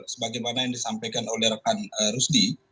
sebagaimana yang disampaikan oleh rekan rusdi